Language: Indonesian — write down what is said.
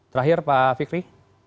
terakhir pak fikri